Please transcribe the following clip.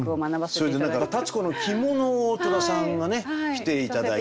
それで立子の着物を戸田さんがね着て頂いて。